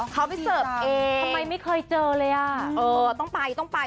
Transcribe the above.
เขาไปเสิร์ฟเองทำไมไม่เคยเจอเลยอ่ะเออต้องไปต้องไป